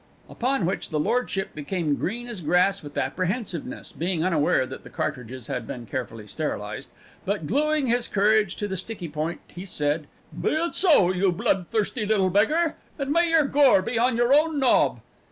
Upon which his lordship became green as grass with apprehensiveness, being unaware that the cartridges had been carefully sterilised, but glueing his courage to the sticky point, he said, "Be it so, you blood thirsty little beggar and may your gore be on your own knob!"